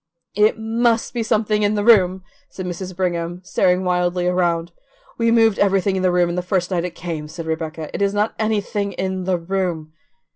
"It MUST be something in the room," said Mrs. Brigham, staring wildly around. "We moved everything in the room the first night it came," said Rebecca; "it is not anything in the room."